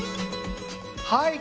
はい。